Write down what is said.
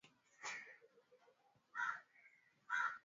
Uganda yabakia kwenye kiwango cha kipato cha chini Benki ya Dunia yasema